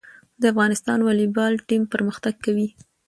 د افغانستان والیبال ټیم پرمختګ کوي